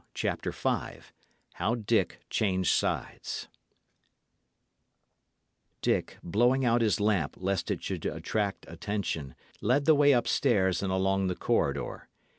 CHAPTER V HOW DICK CHANGED SIDES Dick, blowing out his lamp lest it should attract attention, led the way up stairs and along the corridor.